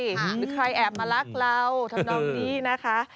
หรือใครแอบมารักเราทำนองนี้นะคะ